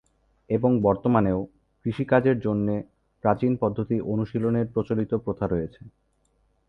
এবং বর্তমানেও, কৃষিকাজের জন্যে প্রাচীন পদ্ধতি অনুশীলনের প্রচলিত প্রথা রয়েছে।